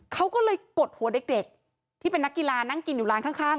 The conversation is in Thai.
เขาก็เลยกดหัวเด็กที่เป็นนักกีฬานั่งกินอยู่ร้านข้าง